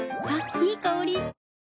いい香り。